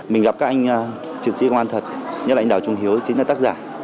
mình gặp các anh chiến sĩ công an thật nhất là anh đào trung hiếu chính là tác giả